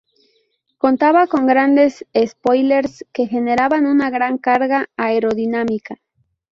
Contaba con grandes spoilers que generaban una gran carga aerodinámica.